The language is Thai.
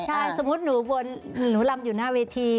ใช่สมมุติหนูรำอยู่หน้าเวที